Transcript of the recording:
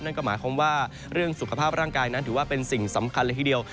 นั่นก็หมายความว่าเรื่องสุขภาพร่างกายนั้นถือว่าเป็นสิ่งสำคัญเลยทีเดียว